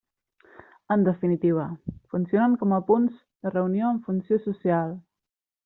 En definitiva, funcionen com a punts de reunió amb funció social.